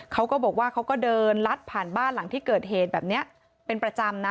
เขาก็บอกว่าเขาก็เดินลัดผ่านบ้านหลังที่เกิดเหตุแบบนี้เป็นประจำนะ